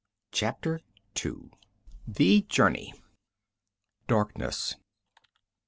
CHAPTER II The Journey Darkness.